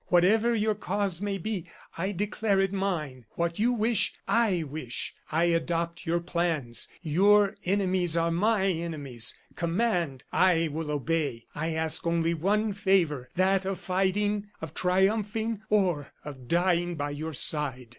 Whatever your cause may be, I declare it mine; what you wish, I wish; I adopt your plans; your enemies are my enemies; command, I will obey. I ask only one favor, that of fighting, of triumphing, or of dying by your side."